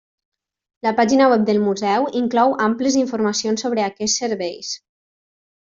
La pàgina web del Museu inclou amples informacions sobre aquests serveis.